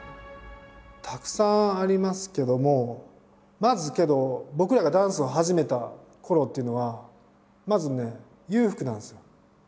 たくさんありますけどもまずけど僕らがダンスを始めたころっていうのはまずね裕福なんですよ。